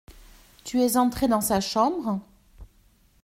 Tu es entrée dans sa chambre ?